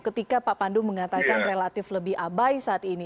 ketika pak pandu mengatakan relatif lebih abai saat ini